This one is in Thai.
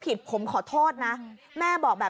พี่ขอโทษกว่าไม่ได้พี่ขอโทษกว่าไม่ได้